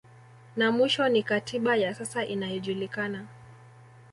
Na mwisho ni katiba ya sasa inayojulikana